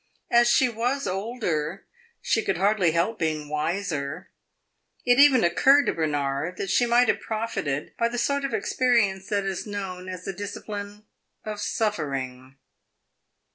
As she was older, she could hardly help being wiser. It even occurred to Bernard that she might have profited by the sort of experience that is known as the discipline of suffering.